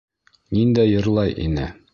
Ниндәй йырлай ине!